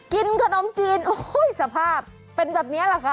กินขนมจีนโอ้ยสภาพเป็นแบบนี้แหละค่ะ